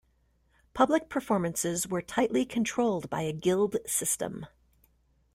Public performances were tightly controlled by a guild system.